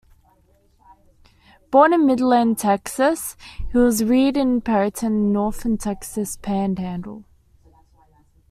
Born in Midland, Texas, he was reared in Perryton in the northern Texas Panhandle.